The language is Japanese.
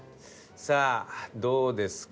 さあどうですか？